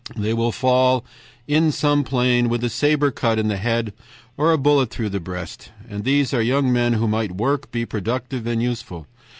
They will fall in some plain with a saber cut in the head, or a bullet through the breast. And these are young men who might work, be productive and useful.